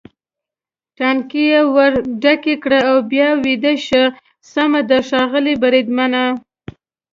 ټانکۍ یې ور ډکه کړه او بیا ویده شه، سمه ده ښاغلی بریدمنه.